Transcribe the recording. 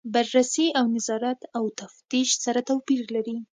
بررسي او نظارت او تفتیش سره توپیر لري.